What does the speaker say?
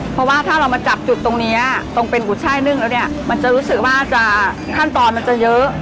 เพราะว่าถ้าเรามาจับจุดตรงนี้ตรงเป็นกุช่ายนึ่งแล้วเนี่ยมันจะรู้สึกว่าจะขั้นตอนมันจะเยอะ